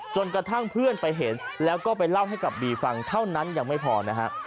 จนกระทั่งเพื่อนไปเห็นแล้วก็ไปเล่าให้กับบีฟังเท่านั้นยังไม่พอนะฮะ